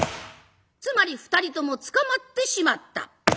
つまり２人とも捕まってしまった。